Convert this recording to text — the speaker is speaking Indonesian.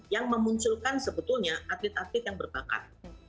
yang memunculkan sebetulnya atlet atlet yang berbakat